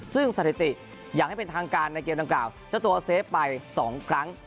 ซึ่งสถิติอย่างให้เป็นทางการในเกมดังกล่าวเจ้าตัวเซฟไป๒ครั้ง